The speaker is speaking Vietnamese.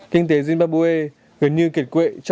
kinh tế zimbabwe gần như kiệt quệ